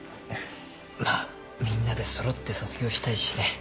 まあみんなで揃って卒業したいしね。